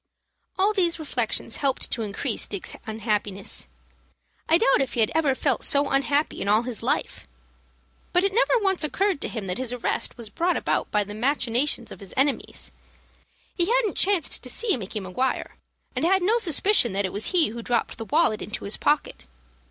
All these reflections helped to increase Dick's unhappiness. I doubt if he had ever felt so unhappy in all his life. But it never once occurred to him that his arrest was brought about by the machinations of his enemies. He hadn't chanced to see Micky Maguire, and had no suspicion that it was he who dropped the wallet into his pocket.